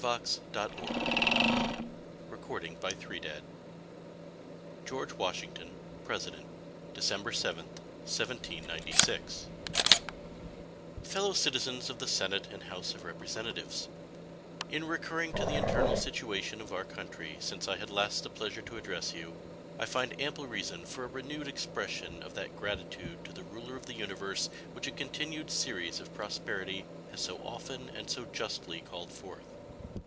GO. WASHINGTON State of the Union Address George Washington December 7, 1796 Fellow Citizens of the Senate and House of Representatives: In recurring to the internal situation of our country since I had last the pleasure to address you, I find ample reason for a renewed expression of that gratitude to the Ruler of the Universe which a continued series of prosperity has so often and so justly called forth.